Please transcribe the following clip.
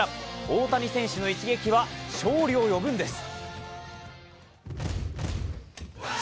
大谷選手の一撃は勝利を呼ぶんです！